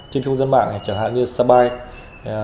trên không gian mạng chẳng hạn như skype